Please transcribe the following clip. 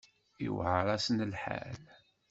Iwεer-asen lḥal.